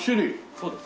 そうです。